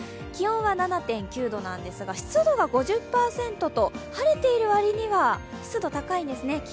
気温は７．９度なんですが湿度が５０％と晴れている割には湿度高いんですね。